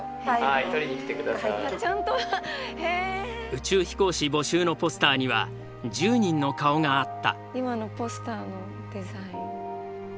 宇宙飛行士募集のポスターには１０人の顔があった。